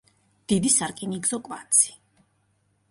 დიდი სარკინიგზო კვანძი.